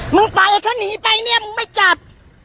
มึงปล่อยให้เขาหนีไปเนี้ยมึงไม่จับ